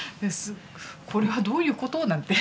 これはどういうこと？なんて